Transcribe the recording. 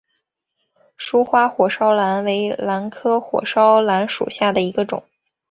疏花火烧兰为兰科火烧兰属下的一个种。